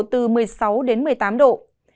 từ một mươi sáu đến một mươi tám độ